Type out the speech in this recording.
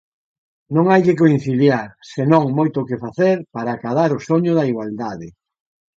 Non hai que conciliar, senón moito que facer, para acadar o soño da igualdade.